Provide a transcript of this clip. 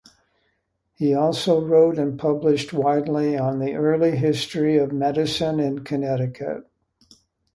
He also wrote and published widely on the early history of medicine in Connecticut.